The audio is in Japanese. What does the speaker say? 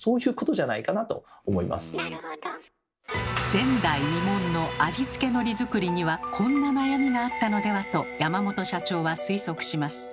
前代未聞の味付けのり作りにはこんな悩みがあったのではと山本社長は推測します。